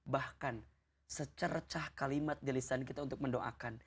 bahkan secercah kalimat jelisan kita untuk mendoakan